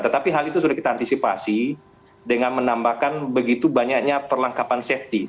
tetapi hal itu sudah kita antisipasi dengan menambahkan begitu banyaknya perlengkapan safety